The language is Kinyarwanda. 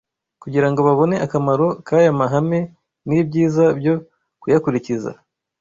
kugira ngo babone akamaro k’aya mahame n’ibyiza byo kuyakurikiza.